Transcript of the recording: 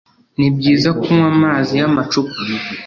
Nibyiza kunywa amazi yamacupa.